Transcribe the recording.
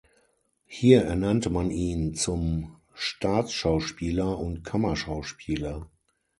Hier ernannte man ihn zum Staatsschauspieler und Kammerschauspieler.